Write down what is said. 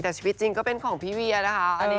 แต่ชีวิตจริงก็เป็นของพี่เวียนะคะ